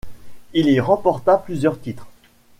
Il y remporta plusieurs titres.